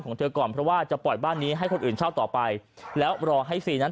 เธอก่อนเพราะว่าจะปล่อยบ้านนี้ให้คนอื่นเช่าต่อไปแล้วรอให้ซีนั้น